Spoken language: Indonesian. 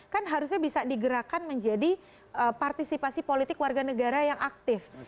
kan harusnya bisa digerakkan menjadi partisipasi politik warga negara yang aktif